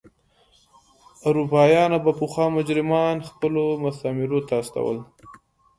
اروپایانو به پخوا مجرمان خپلو مستعمرو ته استول.